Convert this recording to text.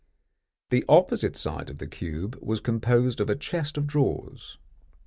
The opposite side of the cube was composed of a chest of drawers.